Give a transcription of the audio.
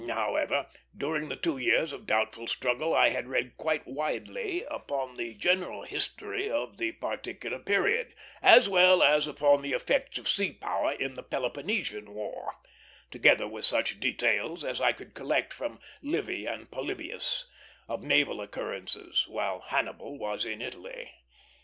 However, during the two years of doubtful struggle I had read quite widely upon the general history of the particular period, as well as upon the effects of sea power in the Peloponnesian War; together with such details as I could collect from Livy and Polybius of naval occurrences while Hannibal was in Italy.